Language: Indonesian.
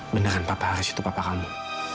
beneran pak haris itu papa kamu